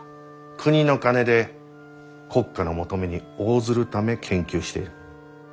国の金で国家の求めに応ずるため研究している。